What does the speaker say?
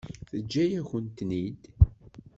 Teǧǧa-yakent-ten-id.